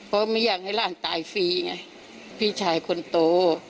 เพราะไม่อยากให้หลานตายฟรีไงพี่ชายคนโต